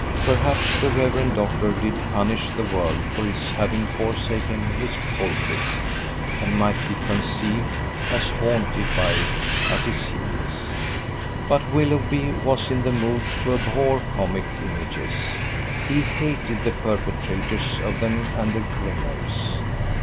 Perhaps the Rev. Doctor did punish the world for his having forsaken his pulpit, and might be conceived as haunted by it at his heels, but Willoughby was in the mood to abhor comic images; he hated the perpetrators of them and the grinners.